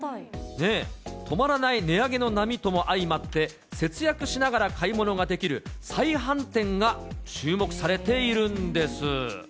止まらない値上げの波とも相まって、節約しながら買い物ができる、再販店が注目されているんです。